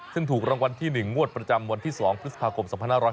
ซึ่งถูกรางวัลที่๑งวดประจำวันที่๒พฤษภาคม๒๕๕๙